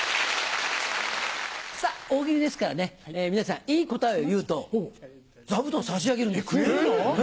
さあ、大喜利ですからね、皆さん、いい答えを言うと座布団差し上げくれるの？